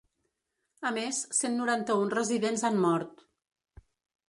A més cent noranta-un residents han mort.